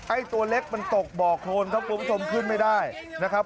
ไอ้ตัวเล็กมันตกบ่อโครนครับคุณผู้ชมขึ้นไม่ได้นะครับ